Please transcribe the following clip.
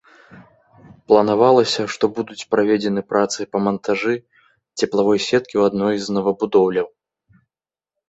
Планавалася, што будуць праведзены працы па мантажы цеплавой сеткі ў адной з новабудоўляў.